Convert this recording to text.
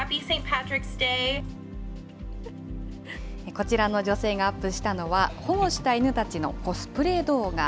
こちらの女性がアップしたのは、保護した犬たちのコスプレ動画。